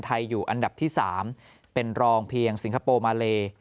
อยู่อันดับที่๓เป็นรองเพียงสิงคโปร์มาเล